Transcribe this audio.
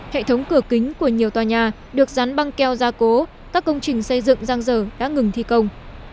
hệ thống cửa kính của nhiều tòa nhà được rắn băng keo gia cố các công trình xây dựng giang dở đã ngừng thi công